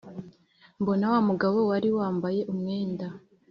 Mbona wa mugabo wari wambaye umwenda